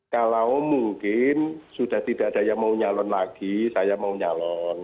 kalau mungkin sudah tidak ada yang mau nyalon lagi saya mau nyalon